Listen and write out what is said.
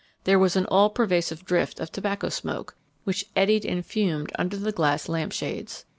There was an all pervasive drift of tobacco smoke, which eddied and fumed under the glass lamp shades.